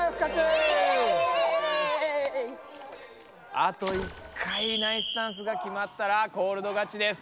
あと１回ナイスダンスがきまったらコールド勝ちです。